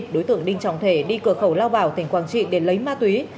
đối tượng đinh trọng thể đi cửa khẩu lao bảo tỉnh quảng trị để lấy ma túy